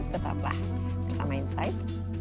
tetaplah bersama insight